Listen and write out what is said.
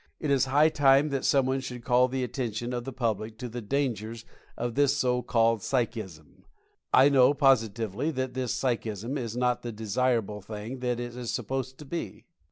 It is high time that someone should call the attention of the public to the dangers of this so called "psychism." I know posi tively that this "psychism" is not the desirable thing that it is supposed to be.